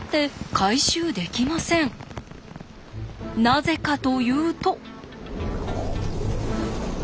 なぜかというと。